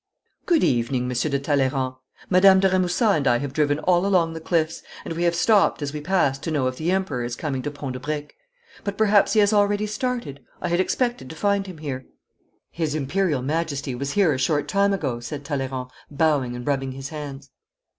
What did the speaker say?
Good evening, Monsieur de Talleyrand! Madame de Remusat and I have driven all along the cliffs, and we have stopped as we passed to know if the Emperor is coming to Pont de Briques. But perhaps he has already started. I had expected to find him here.' 'His Imperial Majesty was here a short time ago,' said Talleyrand, bowing and rubbing his hands.